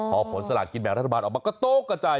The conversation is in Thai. ก็ขอผลสละกินแบบรัฐบาลออกมาก็โต๊กกับใจ